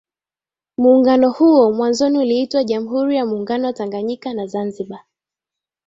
Muungano huo mwanzoni uliitwa Jamhuri ya Muungano wa Tanganyika na Zanzibar